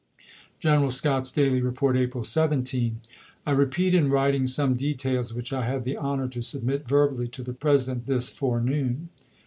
General Scott's daily report, April 17 : I repeat in writing some details which I had the honor to submit verbally to the President this forenoon.